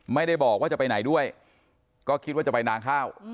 ไม่ได้บอกว่าจะไปไหนด้วยก็คิดว่าจะไปนางข้าว